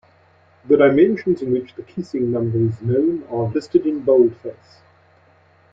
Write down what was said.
The dimensions in which the kissing number is known are listed in boldface.